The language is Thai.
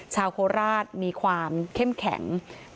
ชาวโคราชมันมีความเข้มแข็ง